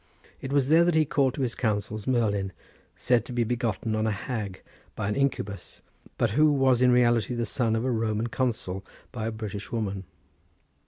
It was there that he called to his counsels Merlin, said to be begotten on a hag by an incubus, but who was in reality the son of a Roman consul by a British woman.